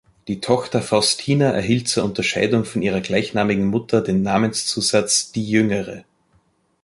Die Tochter Faustina erhielt zur Unterscheidung von ihrer gleichnamigen Mutter den Namenszusatz "die Jüngere".